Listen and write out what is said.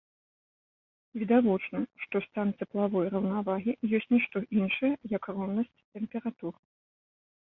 Відавочна, што стан цеплавой раўнавагі ёсць нішто іншае, як роўнасць тэмператур.